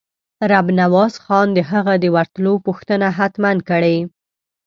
رب نواز خان د هغه د ورتلو پوښتنه حتماً کړې.